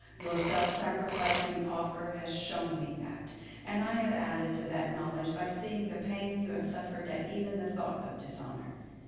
Your self sacrificing offer has shewn me that; and I have added to that knowledge by seeing the pain you have suffered at even the thought of dishonour."